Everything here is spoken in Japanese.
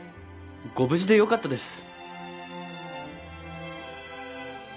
ご無事でよかったです。